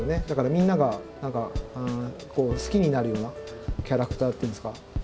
だからみんなが好きになるようなキャラクターっていうんですか。